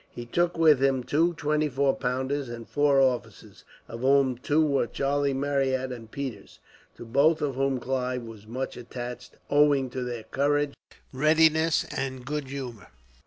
He took with him two twenty four pounders, and four officers, of whom two were Charlie Marryat and Peters; to both of whom Clive was much attached, owing to their courage, readiness, and good humour.